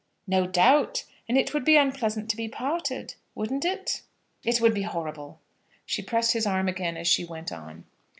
"No doubt; and it would be unpleasant to be parted; wouldn't it?" "It would be horrible." She pressed his arm again as she went on.